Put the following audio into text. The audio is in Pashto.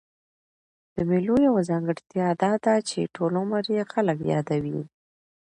د مېلو یوه ځانګړتیا دا ده، چي ټول عمر ئې خلک يادوي.